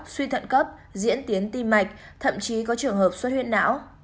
suy thận cấp diễn tiến tim mạch thậm chí có trường hợp xuất huyết não